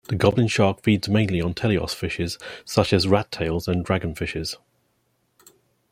The goblin shark feeds mainly on teleost fishes such as rattails and dragonfishes.